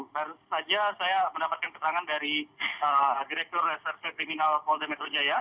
baru saja saya mendapatkan keterangan dari direktur reservi kriminal paul demetro jaya